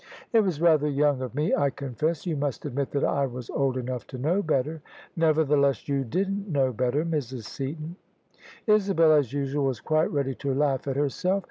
" It was rather young of me, I confess! You must admit that I was old enough to know better." " Nevertheless you didn't know better, Mrs. Seaton." Isabel as usual was quite ready to laugh at herself.